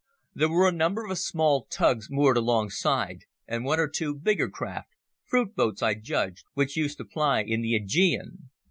There were a number of small tugs moored alongside, and one or two bigger craft—fruit boats, I judged, which used to ply in the Aegean.